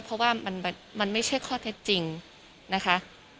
เพราะว่ามันไม่ใช่ข้อเท็จจริงนะคะ